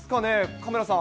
カメラさん。